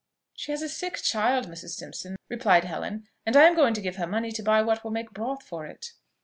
"She has a sick child, Mrs. Simpson," replied Helen, "and I am going to give her money to buy what will make broth for it."